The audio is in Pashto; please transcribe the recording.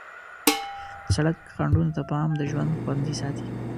د سړک خنډونو ته پام د ژوند خوندي ساتي.